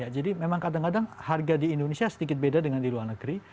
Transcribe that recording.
jadi memang kadang kadang harga di indonesia sedikit beda dengan di luar negeri